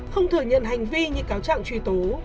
không thừa nhận hành vi như cáo trạng truy tố